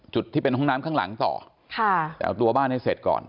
จุดที่เป็นห้องน้ำข้างหลังต่อค่ะแต่เอาตัวบ้านให้เสร็จก่อน